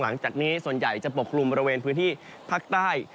หลังจากนี้ส่วนใหญ่จะปกกลุ่มบริเวณพื้นที่ภาคใต้